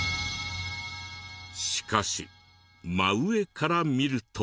しかし真上から見ると。